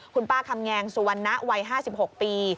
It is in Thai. คุณป้าคำแงงสุวรรณะวัย๕๖ปี